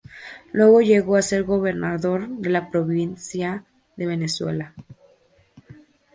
Luego llegó a ser gobernador de la Provincia de Venezuela.